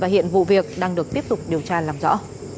hiện vụ việc đang được tiếp tục điều tra làm rõ